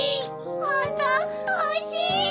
ホントおいしい！